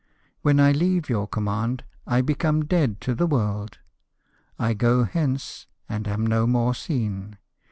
When I leave your command I become dead to the world —' I go hence, and am no more seen.'